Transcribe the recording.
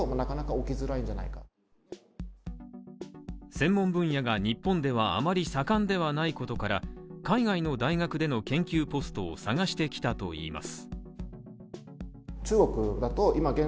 専門分野が日本ではあまり盛んではないことから、海外の大学での研究ポストを探してきたといいます。